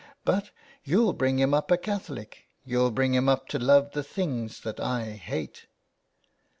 ... But you'll bring him up a Catholic. You'll bring him up to love the things that I hate."